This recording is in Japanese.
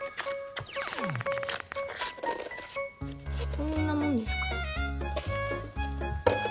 こんなもんですか。